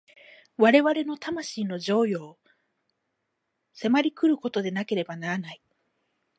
我々の魂の譲与を迫り来ることでなければならない。